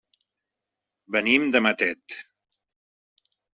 Venim de Matet.